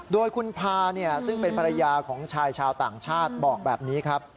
โดยคุณพาซึ่งเป็นภรรยาของชายชาวต่างชาติบอกแบบนี้ครับ